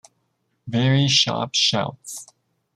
Very sharp shouts!